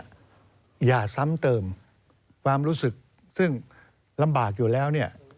อย่าซ้ำเติมความรู้สึกซึ่งลำบากอยู่แล้วเนี่ย